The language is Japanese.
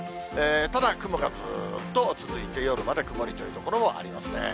ただ、雲がずっと続いて、夜まで曇りという所もありますね。